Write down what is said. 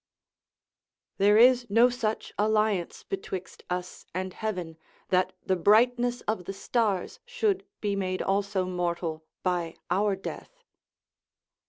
["There is no such alliance betwixt us and heaven, that the brightness of the stars should be made also mortal by our death."